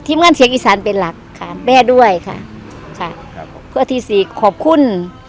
ทีพงานเสียงอีสานเป็นหลักค่ะแม่ด้วยค่ะค่ะครับพระอาทิสิกษ์ขอบคุณ